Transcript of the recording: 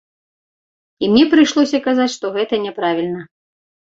І мне прыйшлося казаць, што гэта няправільна.